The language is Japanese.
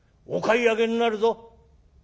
お買い上げになるぞ」。